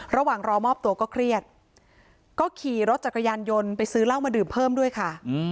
ระหว่างรอมอบตัวก็เครียดก็ขี่รถจักรยานยนต์ไปซื้อเหล้ามาดื่มเพิ่มด้วยค่ะ